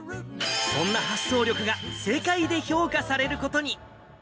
そんな発想力が、世界で評価されることに。